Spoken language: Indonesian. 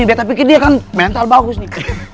betta pikir dia kan mental bagus nih